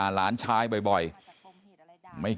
ไปรับศพของเนมมาตั้งบำเพ็ญกุศลที่วัดสิงคูยางอเภอโคกสำโรงนะครับ